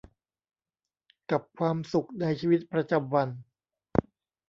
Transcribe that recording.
กับความสุขในชีวิตประจำวัน